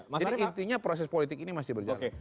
jadi intinya proses politik ini masih berjalan